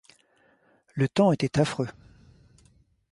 Le temps était affreux.